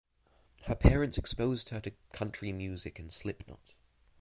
Her parents exposed her to country music and Slipknot.